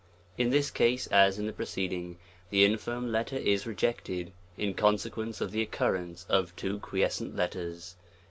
In this case, as in the preceding, the infirm letter is rejected, in consequence of the occurrence of two quiescent letters.